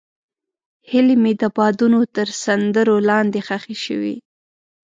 هیلې مې د بادونو تر سندرو لاندې ښخې شوې.